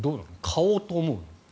買おうと思うの？